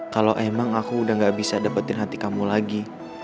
kalau emang aku udah gak bisa dapetin hati kamu lagi